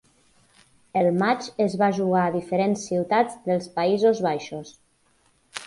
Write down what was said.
El matx es va jugar a diferents ciutats dels Països Baixos.